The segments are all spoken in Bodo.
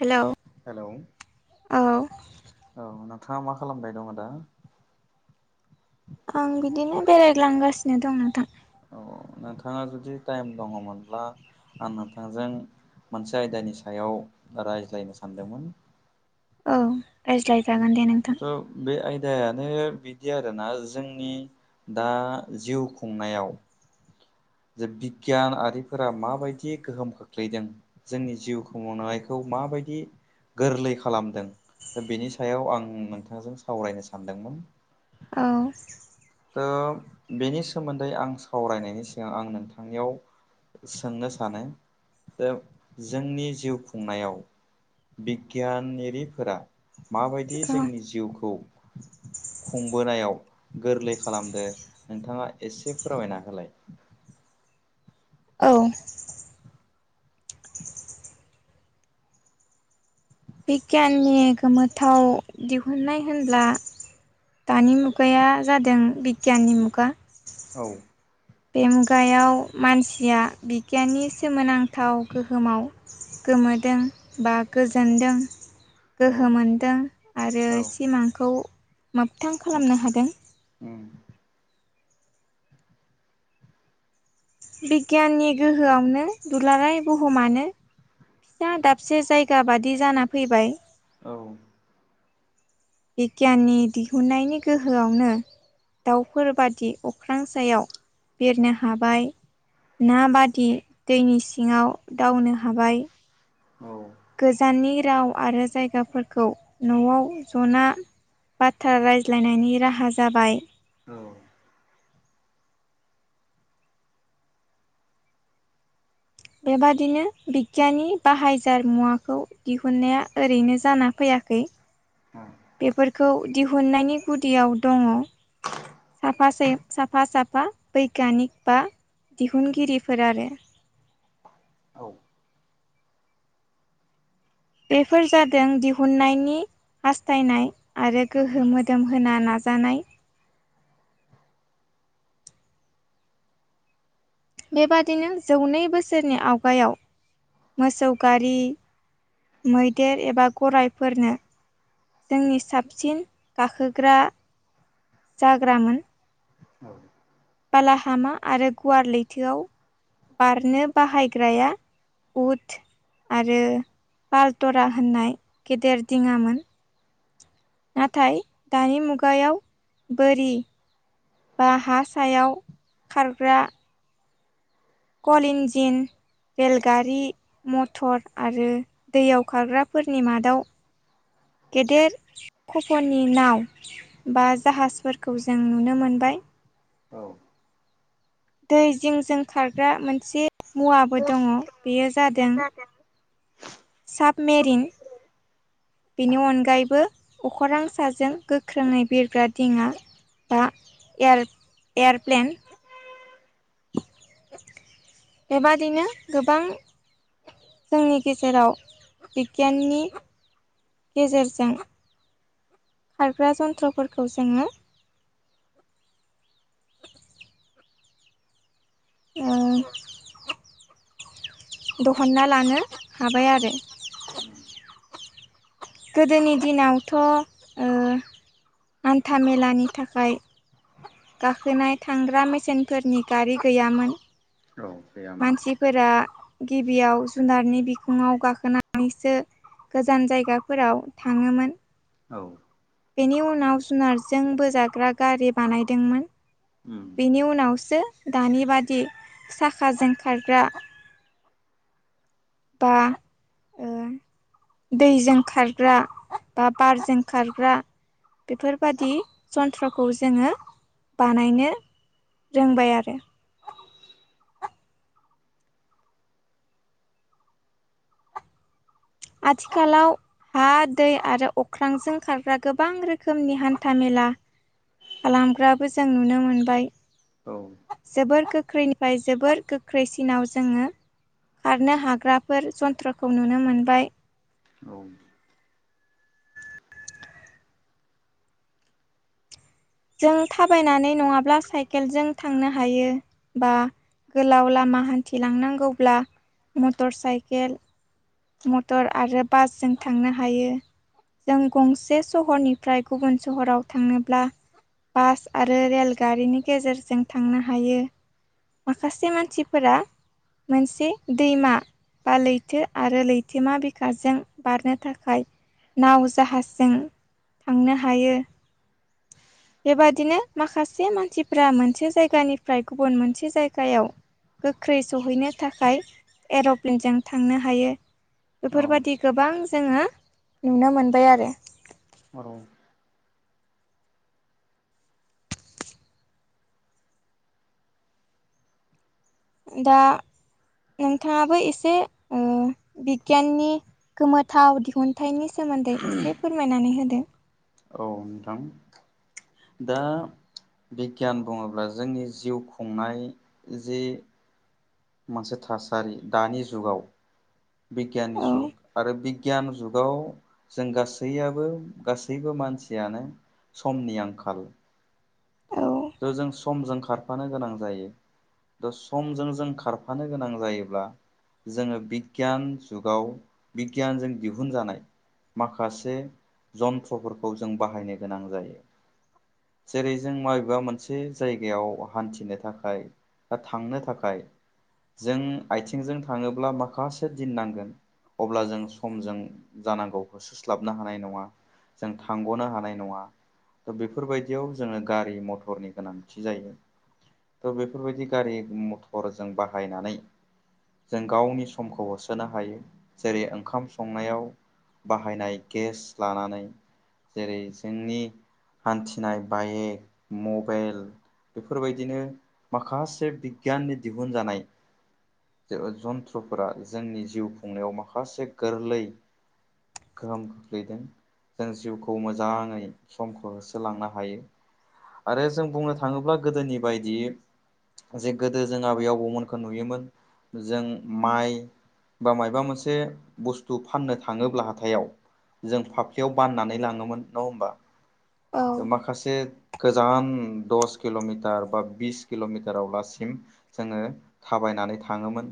हेलौ हेल' औ औ नोंथाङा मा खालामबाय दं आदा? आं बिदिनो बेरायलांगासिनो दं नोंथां। औ नोंथाङा जुदि टाइम दङमोनब्ला आं नोंथांजों मोनसे आयदानि सायाव रायज्लायनो सानदोंमोन। औ रायज्लाय ज बे ओ दानो बिदि आरोना जोंनि दा जिउ खुंनायाव [inaudible] जे बिगियानारिफोरा माबायदि गोहोम खोख्लैदों जोंनि जिउ खोमनायखौ माबायदि बेबादि गोरलै खालामदों दा बेनि सायाव आं आं नोंथांजों सावरायनो सानदोंमोन। औ त बेनि सोमोन्दै आं सावरायनायनि सिगां आं नोंथांनियाव सोंनो सानो जोंनि जिउ खुंनायाव बिगियानफोरा माबायदि औ जोंनि जिउखौ खुंबोनायाव गोरलै खालामदो नोंथाङा एसे फोरमायना होलाय औ बिगियाननि गोमोथाव दिहुननाय होनब्ला दानि मुगाया जादों बिगियाननि मुगा औ बे मुगायाव मानसिया बिगियाननि सोमोनांथाव गोहोमाव गोमोदों बा गोजोनदों औ गोहो मोनदों आरो औ सिमांखौ मोगथां खालामनो मोगथां हादों उम बिगियाननि गोहोआवनो दुलाराय बुहुमानो फिसा दाबसे जायगा बादि जाना फैबाय औ बिगियाननि दिहुननायनि गोहोआवनो दाउफोर बादि अख्रां सायाव बिरनो हाबाय ना बादि दैनि सिङाव दावनो हाबाय औ दाउ आरो जायगाफोरखौ नआव जना बाथ्रा रायज्लायनायनि राहा जाबाय औ बेबादिनो बिगियाननि बाहायजार मुवाखौ दिहुन्नाया ओरैनो जाना फैयाखै [unintelligible] बेफोरखौ दिहुननायनि गुदियाव दङ साफा स साफा साफा बैग्यानिक बा दिहुनगिरिफोर आरो औ बेफोर जादों दिहुननायनि हास्थायनाय आरो गोहो मोदोम होना नाजानाय बेबादिनो जौनै बोसोरनि आवगायाव मोसौ गारि मैदेर एबा गरायफोरनो जोंनि साबसिन गाखोग्रा जाग्रामोन औ बालाहामा आरो गुवार लैथोआव बारनो बाहायग्राया उथ आरो पालथरा होननाय गेदेर दिङामोन नाथाय दानि मुगायाव बोरि बा हा सायाव खारग्रा कल इन्जिन रेलगारि, मटर आरो दैयाव खारग्राफोरनि मादाव गेदेर खफ'नि नाव बा जाहाजफोरखौ जों नुनो मोन बाय औ दै जिंजों खारग्रा मोनसे मुवाबो दङ बेयो जादों साबमेेरिन। बिनि अनगायैबो अखरां साजों गोख्रोङै बिरग्रा दिङा बा एयार एयारप्लेन बेबादिनो गोबां जोंनि गेजेराव बिगियाननि गेजेरजों खारग्रा जन्थ्रफोरखौ जोङो ओ दहनना लानो हाबाय आरो। गोदोनि दिनावथ' ओ हान्था मेलानि थाखाय गाखोनाय थांग्रा मेसेनफोरनि गारि गैयामोन। औ गैयाम मानसिफोरा गिबियाव जुनारनि बिखुङाव गाखोनानैसो गोजान जायगाफोराव थाङोमोन। औ बेनि उनाव जुनारजों बोजाग्रा गारि बानायदोंमोन। उम बेनि उनावसो दानि बादि साखाजों खारग्रा बा ओ दैजों खारग्रा बा बारजों खारग्रा बेफोरबादि जन्थ्रखौ जोङो बानायनो रोंबाय आरो। आथिखालाव हा दै आरो अख्रांजों खारग्रा गोबां रोखोमनि हान्थाम मेल ला खालामग्राबो जों नुनो मोनबाय। औ जोबोर गो ख्रैनिफ्राय जोबोद गोख्रैसिनाव जोङो खारनो हाग्राफोर जन्थ्रखौ नुनो मोनबाय। औ। जों थाबायनानै नङाब्ला साइकेलजों थांनो हायो बा गोलाव लामा हान्थिलांनांगौब्ला मटर साइकेल मटर आरो बासजों थांनो हायो। जों गंसे सहरनिफ्राय गुबुन सहराव थांनोब्ला बास आरो रेलगारिनि गेजेरजों थांनो हायो। माखासे मानसिफोरा मोनसे दैमा बा लैथो आरो लैथोमा बिखाजों बारनो थाखाय नाव जाहाजजों थांनो हायो। बेबादिनो माखासे मानसिफ्रा मोनसे जायगानिफ्राय गुबुन मोनसे जायगायाव गोख्रै सहैनो थाखाय एर'प्लेनजों थांनो हायो। औ बेफोरबादि गोबां जोङो नुनो मोनबाय आरो। औ दा नोंथाङाबो एसे ओ बिगियाननि गोमोथाव दिहुनथाइनि सोमोन्दै एसे फोरमायनानै होदो। औ नोंथां दा बिगियान बुङोब्ला जोंनि जिउ खुंनाय जि मोनसे थासारि दानि जुगाव बिगियाननि औ जुग आरो बिगियान जुगाव जों गासैयाबो गासैबो मानसियानो समनि आंखाल। औ थ जों समजों खारफानो गोनां जायो। दा समजों जों खारफानो गोनां जायोब्ला जोङो बिगियान जुगाव बिगियानजों दिहुनजानाय माखासे जन्त्रफोरखौ जों बाहायनो गोनां जायो। जेरै जों माइ मबा मोनसे जायगायाव हान्थिनो थाखाय बा थांनो थाखाय जों आथिंजों थाङोब्ला माखासे दिन नांगोन। अब्ला जों समजों जानांगौखौ सोस्लाबनो हानाय नङा। जों थांगनो हानाय नङा दा बेफोरबायदियाव जोङो गारि मथर हरनि गोनांथि जायो। थ बेफोरबायदि गारि मथरजों बाहायनानै। जों गावनि समखौ होसोनो हायो जेरै ओंखाम संनायाव। बाहायनाय गेस लानानै। जेरै जोंनि हान्थिनाय बाये। मबाइल बेफोरबायदिनो माखासे बिगियाननि दिहुनजानाय। जो ओ-जन्थ्रफोरा जोंनि जिउ खुंनायाव माखासे गोरलै। गोहोम खोख्लैदों। जों जिउखौ मोजाङै समखौ होसोलांनो हायो। आरो जों बुंनो थाङोब्ला गोदोनि बायदि। जे गोदो जों आबै आबौमोनखौ नुयोमोन जों माइ। बा मायबा मोनसे बुस्थु फाननो थाङोब्ला हाथायाव। जों फाफ्लियाव बाननानै लाङोमोन नङा होमबा औ दा माखासे। गोजान दस किलमिटार बा बिस किलमिटारावलासिम जोङो थाबाय नानै थाङोमोन।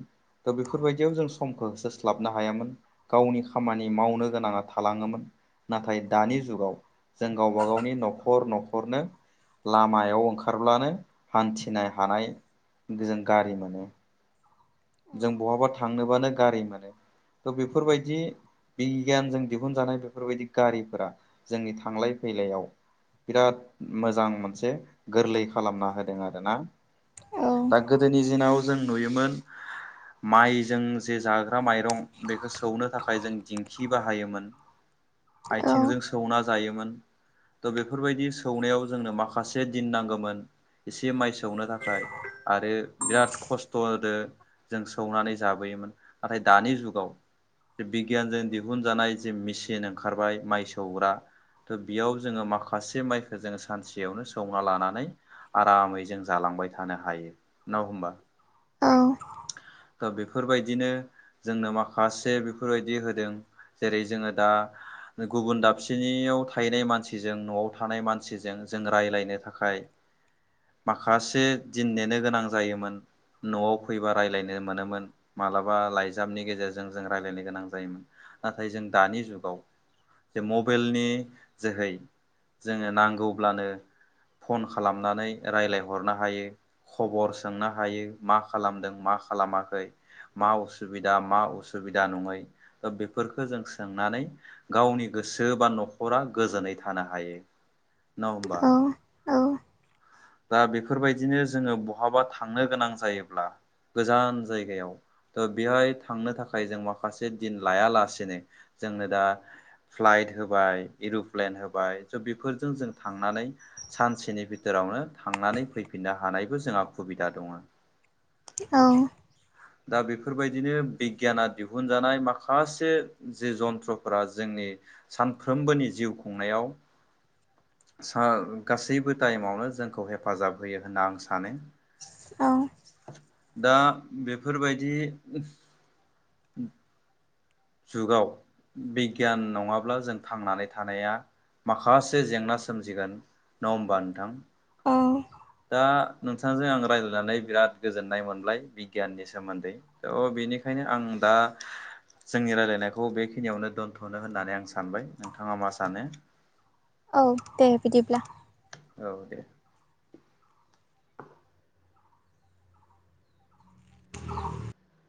दा बेफोरबायदियाव जों समखौ होसोस्लाबनो हायामोन। गावनि खामानि मावनो गोनाङा थालाङोमोन। नाथाय दानि जुगाव जों गावबा गावनि नखर नखरनो। लामायाव ओंखारब्लानो हान्थिनो हानाय जों गारि मोनो। जों बहाबा थांनोबानो गारि मोनो थ बेफोरबायदि बिगियानजों दिहुनजानाय बेफोरबायदि गारिफोरा जोंनि थांलाय फैलायाव। बिराद मोजां मोनसे गोरलै खालामना होदों आरोना। औ दा गोदोनि दिनाव जों नुयोमोन माइजों जे जा माइरं बे सौनो थाखाय जों दिंखि बाहायोमोन औ आथिंजों सौना जायोमोन बेफोरबायदि सौनायाव जोंनो माखासे दिन नांगौमोन। एसे माइ सौनो थाखाय आरो बिराद खस्थ होदो। जों सौनानै जाबोयोमोन नाथाय दानि जुगाव। बिगियानजों दिहुनजानाय जे मेसिन ओंखारबाय माइ सौग्रा। थ बेयाव जोङो माखासे माइखौ जोङो सानसेयावनो सौना लानानै। आरामै जों जालांबाय थानो हायो न होमबा। [unintelligible] फोर बेफोरबायदिनो जोंनो माखासे बेफोरबायदि होदों जेरै जोङो दा गुबुन दाबसेनियाव थाहैनाय मानसिजों नआव थानाय मानसिजों जों रायलायनो थाखाय। माखासे दिन नेनो गोनां जायोमोन नआव फैबा रायलायनो मोनोमोन मालाबा लाइजामनि गेजेरजों जों रायलायनो गोनां जायोमोन नाथाय जों दानि जुगाव। जे मबाइलनि जोहै जोङो नांगौब्लानो। फन खालामनानै रायलायहरनो हायो‌ खबर सोंनो हायो मा खालामदों मा खालामाखै मा उसुबिदा मा उसुबिदा नङै ओ बेफोरखो। जों सोंनानै गावनि गोसो बा नखरा गोजोनै थानो हायो। न होमबा। दा बेफोरबायदिनो जोङो बहाबा थांनो गोनां जायोब्ला। गोजान जायगायाव थ' बेहाय थांनो थाखाय जों माखासे दिन लायालासेनो जोंनो दा फ्लाइट होबाय एर'प्लेन होबाय स' बेफोरजों जों थांनानै सानसेनि बिथोरावनो थांनानै फैफिननो हानायबो जोंहा सुबिदा दङ औ दा बेफोरबायदिनो बिगियाना दिहुनजानाय माखासे जे जन्थ्रफोरा जों [unintelligible] सानफ्रोमबोनि जिउ खुंनायाव सा गासैबो टाइमावनो जोंखौ हेफाजाब होयो होनना आं सानो। औ दा बेफोरबायदि जुगाव बिगियान नङाब्ला जों थांनानै थानाया माखासे जेंना सोमजिगोन नङा होमबा नोंथां? औ दा नोंथांजों आं रायज्लायनानै बिराद गोजोननाय मोनबाय बिगियाननि सोमोन्दै थ बेनिखायनो आं दा जोंनि रायज्लायनायखौ बेखिनियावनो दोनथ'नो होननानै आं सानबाय नोंथाङा मा सानो? औ दे बिदिब्ला औ दे